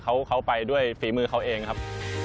เขาไปด้วยฝีมือเขาเองครับ